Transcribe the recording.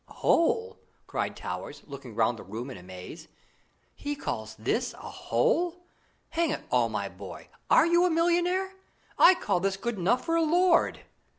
"Hole!" cried Towers, looking round the room in amaze. "He calls this a hole! Hang it all, my boy, are you a millionaire? I call this good enough for a lord."